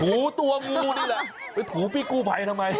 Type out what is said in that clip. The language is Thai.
ถูตัวงูนี่แหละไปถูพี่กู้ภัยทำไม